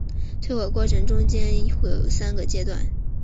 退火过程中间会有三个阶段。